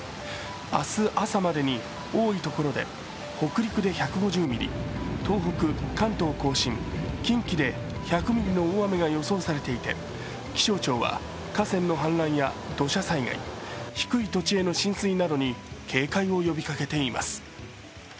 明日朝までに多いところで北陸で１５０ミリ東北、関東甲信・近畿で１００ミリの大雨が予想されていて気象庁は河川の氾濫や土砂災害、低い土地への浸水などに警戒を呼びかけています。